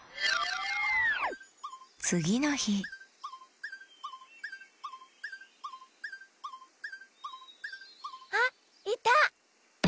つぎのひあっいた！